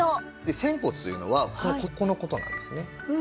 仙骨というのはここの事なんですね。